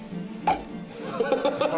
ハハハハ。